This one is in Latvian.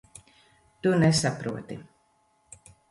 Tu nesaproti.